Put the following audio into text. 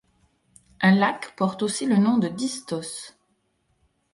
Un lac porte aussi le nom de Dystos.